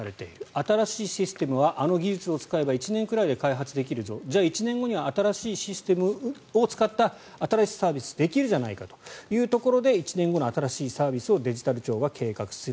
新しいシステムはあの技術を使えば１年ぐらいで開発できるぞじゃあ１年後には新しいシステムを使った新しいサービスができるじゃないかというところで１年後の新しいサービスをデジタル庁は計画する。